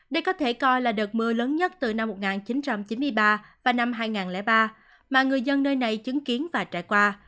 đây có thể coi là đợt mưa lớn nhất từ năm một nghìn chín trăm chín mươi ba và năm hai nghìn ba mà người dân nơi này chứng kiến và trải qua